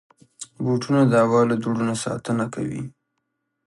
بوټونه د هوا له دوړو نه ساتنه کوي.